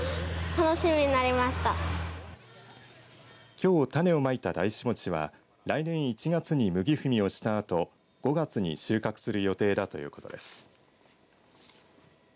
きょう種をまいたダイシモチは来年１月に麦踏みをしたあと５月に収穫する予定だということです。